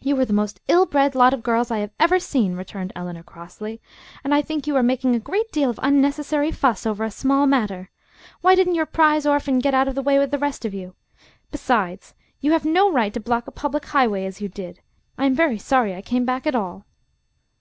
"You are the most ill bred lot of girls I have ever seen," returned Eleanor crossly, "and I think you are making a great deal of unnecessary fuss over a small matter. Why didn't your prize orphan get out of the way with the rest of you? Besides, you have no right to block a public highway, as you did. I am very sorry I came back at all."